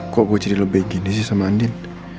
kok gue jadi lebih gini sih sama andin